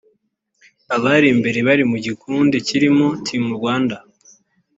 Abari imbere bari mu gikundi kirimo Team Rwanda